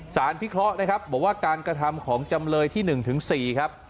พิเคราะห์นะครับบอกว่าการกระทำของจำเลยที่๑ถึง๔ครับ